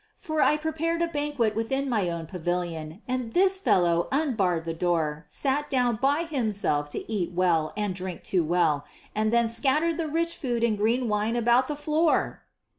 For I prepared a banquet within my own pavilion and this fellow unbarred the door, sat down by himself to eat well and drink too well, and then scattered the rich food and green wine about the floor!"